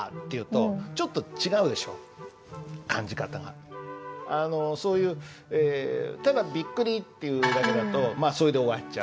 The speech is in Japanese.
例えばそういう時にでもあのそういうただ「びっくり」っていうだけだとまあそれで終わっちゃう。